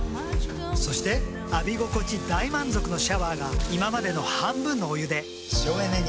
そして浴び心地大満足のシャワーが今までの半分のお湯で省エネに。